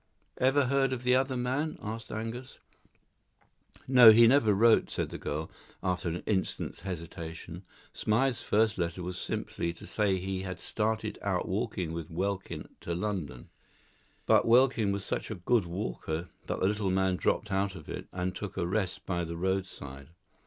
"Ever heard of the other man?" asked Angus. "No, he never wrote," said the girl, after an instant's hesitation. "Smythe's first letter was simply to say that he had started out walking with Welkin to London; but Welkin was such a good walker that the little man dropped out of it, and took a rest by the roadside.